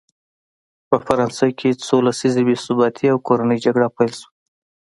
په فرانسه کې څو لسیزې بې ثباتي او کورنۍ جګړه پیل شوه.